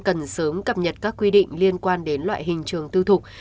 cần sớm cập nhật các quy định liên quan đến loại hình trường tư thục